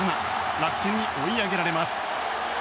楽天に追い上げられます。